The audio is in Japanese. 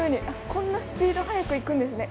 こんなスピード速く行くんですね。